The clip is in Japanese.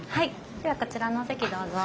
ではこちらのお席どうぞ。